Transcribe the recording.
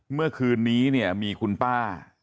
เมื่อคืนนี้เนี่ยมีคุณป้า